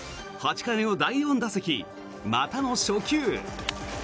８回目の第４打席またも初球。